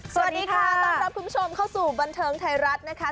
สวัสดีค่ะต้อนรับคุณผู้ชมเข้าสู่บันเทิงไทยรัฐนะคะ